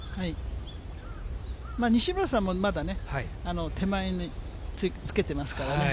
西村さんもまだね、手前につけてますからね。